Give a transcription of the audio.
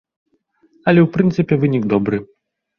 Але ў прынцыпе вынік добры.